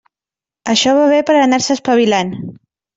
Això va bé per anar-se espavilant.